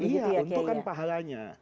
iya untuk kan pahalanya